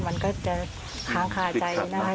มันก็จะค้างคาใจนะคะ